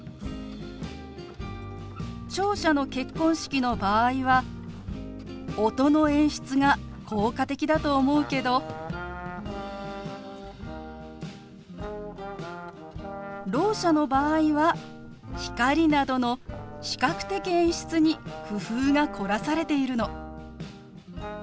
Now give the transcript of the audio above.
聴者の結婚式の場合は音の演出が効果的だと思うけどろう者の場合は光などの視覚的演出に工夫が凝らされているの。